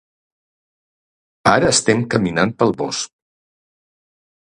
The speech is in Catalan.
Ara estem caminant pel bosc.